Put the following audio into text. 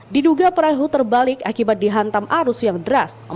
diduga perahu terbalik akibat dihantam arus yang deras